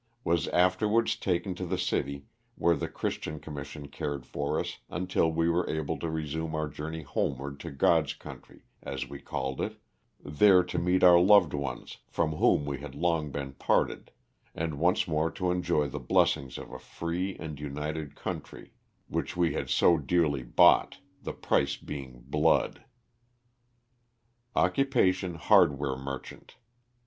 Was afterwards taken to the city where the Christian Commission cared for us until we were able to resume our journey homeward to "God's country," as we called it, there to meet our loved ones from whom we had long been parted, and once more to enjoy the blessings of a free and united country, which we had 41 LOSS OF THE SULTANA. SO dearly bought, the price being "blood." Occupa tion hardware merchant.